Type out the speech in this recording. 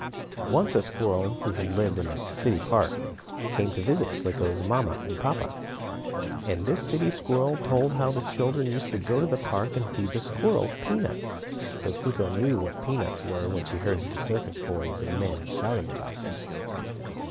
Once a squirrel who had lived in a city park came to visit Slicko's mamma and papa. And this city squirrel told how the children used to go to the park and feed the squirrels peanuts. So Slicko knew what peanuts were, when she heard the circus boys and men shouting about them.